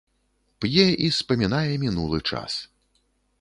П'е і спамінае мінулы час.